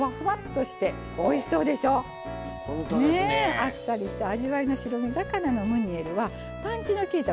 あっさりした味わいの白身魚のムニエルはパンチのきいた